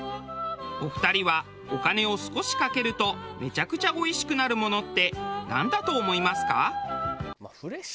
お二人はお金を少しかけるとめちゃくちゃおいしくなるものってなんだと思いますか？